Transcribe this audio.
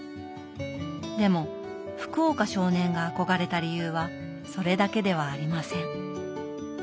でも福岡少年が憧れた理由はそれだけではありません。